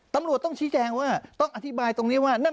ตำรวจต้องชี้แจงว่าต้องอธิบายตรงนี้ว่านั่น